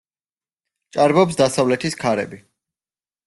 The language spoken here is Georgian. ჭარბობს დასავლეთის ქარები.